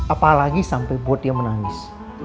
apalagi sampai buat dia menangis